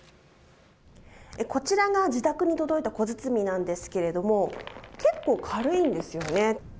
こちらが自宅に届いた小包なんですけれども、結構、軽いんですよね。